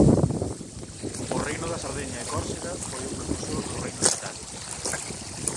O Reino da Sardeña e Córsega foi o precursor do reino de Italia.